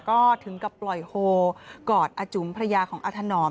ก็ถึงกับปล่อยโฮกอดอาจุ๋มภรรยาของอาถนอม